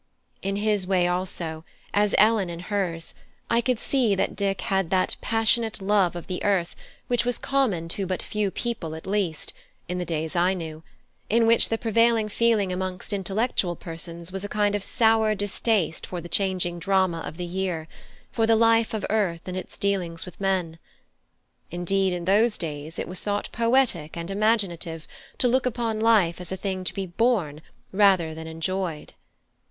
In his way also, as Ellen in hers, I could see that Dick had that passionate love of the earth which was common to but few people at least, in the days I knew; in which the prevailing feeling amongst intellectual persons was a kind of sour distaste for the changing drama of the year, for the life of earth and its dealings with men. Indeed, in those days it was thought poetic and imaginative to look upon life as a thing to be borne, rather than enjoyed.